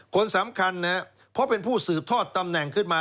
คนสำคัญนะครับเพราะเป็นผู้สืบทอดตำแหน่งขึ้นมา